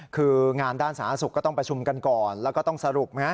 คืองานด้านสาธารณสุขก็ต้องประชุมกันก่อนแล้วก็ต้องสรุป